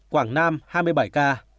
quảng nam hai mươi bảy ca